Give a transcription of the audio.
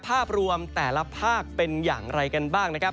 ภาพรวมแต่ละภาคเป็นอย่างไรกันบ้างนะครับ